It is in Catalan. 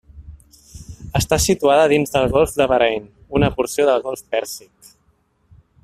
Està situada dins del golf de Bahrain, una porció del golf Pèrsic.